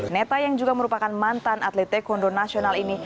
neta yang juga merupakan mantan atlet taekwondo nasional ini